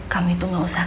kami tuh gak usah